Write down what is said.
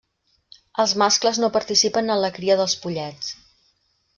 Els mascles no participen en la cria dels pollets.